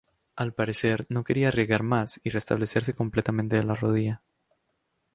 Al parecer no quería arriesgar más y restablecerse completamente de la rodilla.